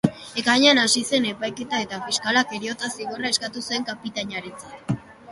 Ekainean hasi zen epaiketa, eta fiskalak heriotza-zigorra eskatu zuen kapitainarentzat.